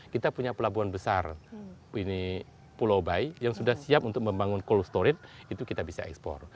kita punya pelabuhan besar ini pulau bayi yang sudah siap untuk membangun cold storage itu kita bisa ekspor